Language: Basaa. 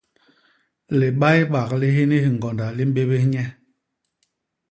Libaybak li hini hiñgonda li mbébés nye.